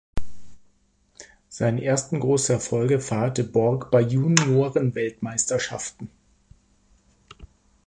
Seine ersten großen Erfolge feierte Bourque bei Juniorenweltmeisterschaften.